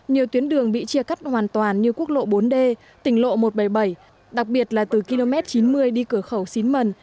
nhiều tuyến đường bị chia cắt hoàn toàn như quốc lộ bốn d tỉnh lộ một trăm bảy mươi bảy đặc biệt là từ km chín mươi đi cửa khẩu xín mần